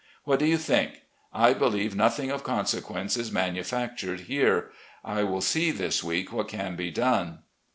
What do you think? I believe nothing of consequence is manufactured here. I will see this week what can be done.